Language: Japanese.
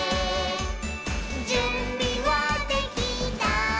「じゅんびはできた？